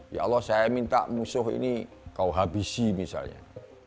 ya allah saya minta musuh ini kau habisi misalnya